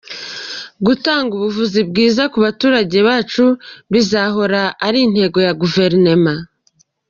Gutanga ubuvuzi bwiza ku baturage bacu bizahora ari intego ya Guverinoma.